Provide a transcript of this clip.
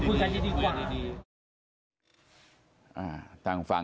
พูดกันที่ดีกว่า